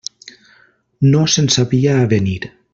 No se'n sabia avenir.